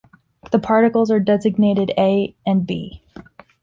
The particles are designated A and B.